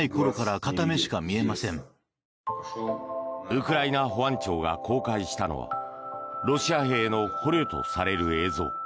ウクライナ保安庁が公開したのはロシア兵の捕虜とされる映像。